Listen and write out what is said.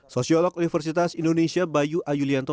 sosiolog universitas indonesia bayu ayulianto